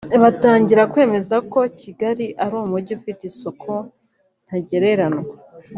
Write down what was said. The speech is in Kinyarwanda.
batangira kwemeza ko Kigali ari umujyi ufite isuku ntagereranywa